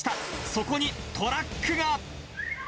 そこにトラックが！